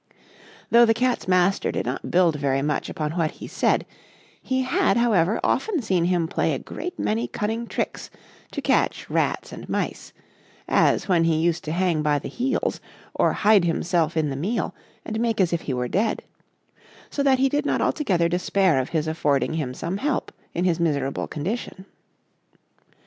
Tho' the Cat's master did not build very much upon what he said, he had however often seen him play a great many cunning tricks to catch rats and mice; as when he used to hang by the heels, or hide himself in the meal, and make as if he were dead; so that he did not altogether despair of his affording him some help in his miserable condition.